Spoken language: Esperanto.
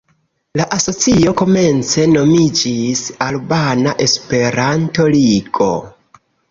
La asocio komence nomiĝis Albana Esperanto-Ligo.